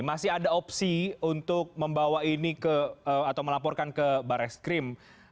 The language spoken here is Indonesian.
masih ada opsi untuk membawa ini ke atau melaporkan ke barreskrim